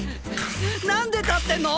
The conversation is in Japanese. なんで立ってんの！？